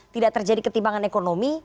tidak terjadi ketimpangan ekonomi